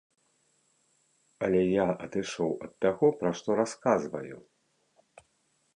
Але я адышоў ад таго, пра што расказваю.